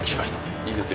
いいですよ。